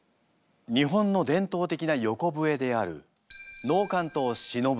日本の伝統的な横笛である能管と篠笛